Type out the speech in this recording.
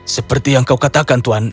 seperti yang kau katakan tuan